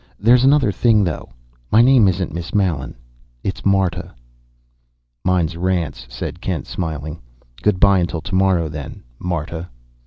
"There's another thing, though. My name isn't Miss Mallen it's Marta." "Mine's Rance," said Kent, smiling. "Good by until to morrow, then, Marta."